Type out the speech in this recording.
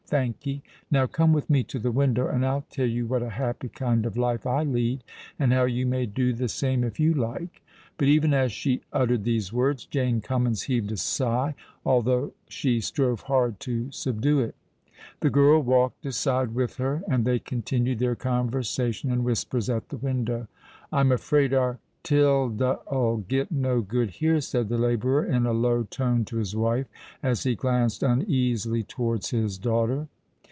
Thank'ee. Now come with me to the window, and I'll tell you what a happy kind of life I lead—and how you may do the same if you like." But even as she uttered these words, Jane Cummins heaved a sigh—although she strove hard to subdue it. The girl walked aside with her; and they continued their conversation in whispers at the window. "I'm afraid our Tilda'll get no good here," said the labourer, in a low tone, to his wife, as he glanced uneasily towards his daughter.